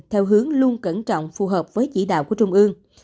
theo hướng luôn cẩn trọng phù hợp với chỉ đạo của trung ương